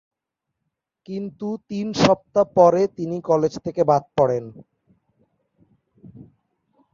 কিন্তু তিন সপ্তাহ পরে তিনি কলেজ থেকে বাদ পড়েন।